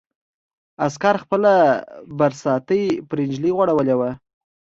عسکر خپله برساتۍ پر نجلۍ غوړولې وه.